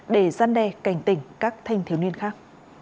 để gian đe cảnh tỉnh các thanh thiếu niên khác